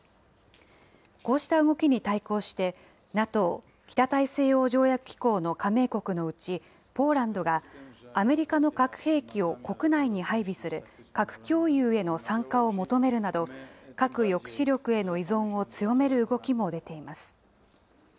こうした動きに対抗して、ＮＡＴＯ・北大西洋条約機構の加盟国のうちポーランドが、アメリカの核兵器を国内に配備する核共有への参加を求めるなど、核抑止力への依存を強める動きも出ています。